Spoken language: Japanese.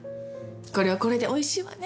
「これはこれでおいしいわね」